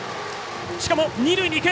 しかも二塁にいく！